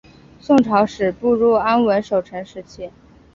宋朝始步入安稳守成时期。